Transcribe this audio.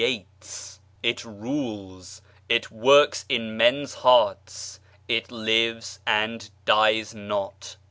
PERSIANS it rules, it \vorks in men's liearts, it lives and dies not.